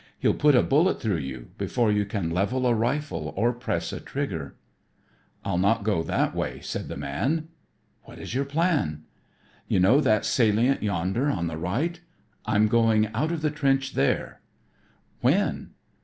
He'll put a bullet through you before you can level a rifle or press a trigger." "I'll not go that way," said the man. "What is your plan?" "You know that salient yonder on the right? I'm going out of the trench there." "When?"